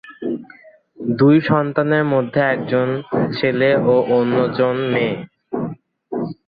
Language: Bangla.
দুই সন্তানের মধ্যে একজন ছেলে ও অন্য জন মেয়ে।